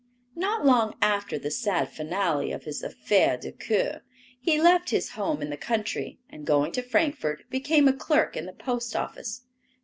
Not long after the sad finale of his affaire de coeur, he left his home in the country, and going to Frankfort became a clerk in the post office.